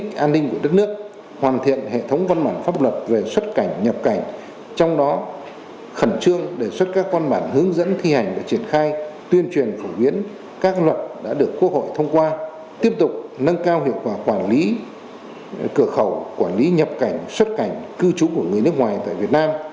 cơ khẩu quản lý nhập cảnh xuất cảnh cư trú của người nước ngoài tại việt nam